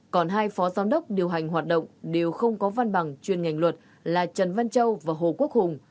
còn hai phó giám đốc điều hành hoạt động đều không có văn bằng chuyên ngành luật là trần văn châu và hồ quốc hùng